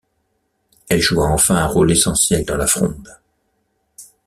Elle joua enfin un rôle essentiel dans la Fronde.